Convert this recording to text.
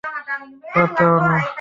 বাদ দাও না।